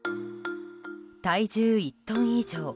体重１トン以上。